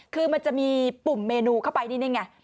คือมันจะมีปุ่มเมนูเข้าไปนี่ไง